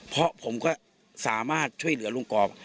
เพราะผมก็สามารถช่วยเหลือลุงกรอบ